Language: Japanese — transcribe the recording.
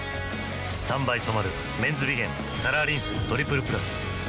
３倍染まる「メンズビゲンカラーリンストリプルプラス」